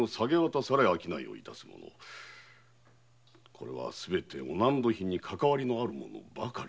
これはすべて御納戸品にかかわりのある者ばかり。